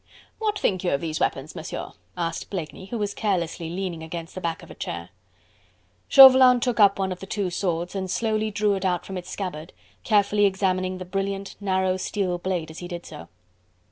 "What think you of these weapons, Monsieur?" asked Blakeney, who was carelessly leaning against the back of a chair. Chauvelin took up one of the two swords and slowly drew it from out its scabbard, carefully examining the brilliant, narrow steel blade as he did so.